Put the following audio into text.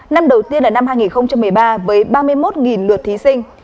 năm đầu tiên là năm hai nghìn một mươi ba với ba mươi một lượt thí sinh